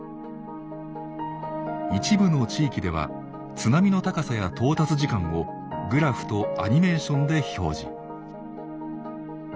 一部の地域では津波の高さや到達時間をグラフとアニメーションで表示。